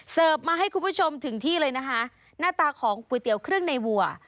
มาให้คุณผู้ชมถึงที่เลยนะคะหน้าตาของก๋วยเตี๋ยวเครื่องในวัว